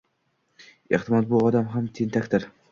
«Ehtimol, bu odam ham tentakdir.